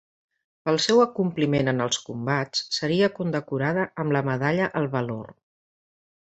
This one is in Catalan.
Pel seu acompliment en els combats seria condecorada amb la Medalla al Valor.